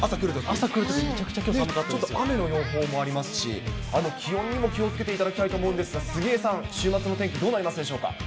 朝来るとき、めちゃくちゃきちょっと雨の予報もありますし、気温にも気をつけていただきたいと思うんですが、杉江さん、週末の天気、どうなりますでしょうか。